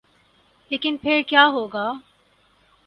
لیکن پھر کیا ہو گا؟